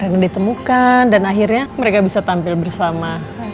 yang ditemukan dan akhirnya mereka bisa tampil bersama